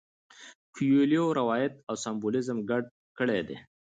کویلیو روایت او سمبولیزم ګډ کړي دي.